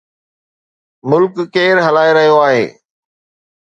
ملڪ ڪير هلائي رهيو آهي؟